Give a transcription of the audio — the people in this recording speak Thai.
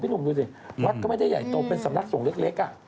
หนุ่มดูสิวัดก็ไม่ได้ใหญ่โตเป็นสำนักสงฆ์เล็ก